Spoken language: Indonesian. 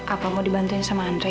apa mau dibantuin sama andre